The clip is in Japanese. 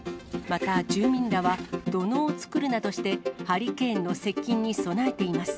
また、住民らは土のうを作るなどして、ハリケーンの接近に備えています。